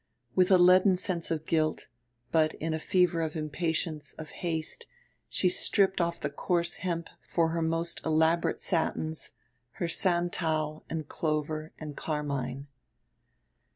With a leaden sense of guilt, but in a fever of impatience, of haste, she stripped off the coarse hemp for her most elaborate satins, her santal and clover and carmine.